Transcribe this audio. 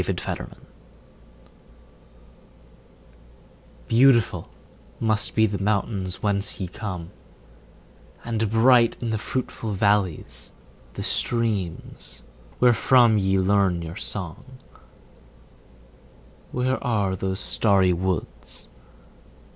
Nightingales BEAUTIFUL must be the mountains whence ye come, And bright in the fruitful valleys the streams, wherefrom Ye learn your song: Where are those starry woods?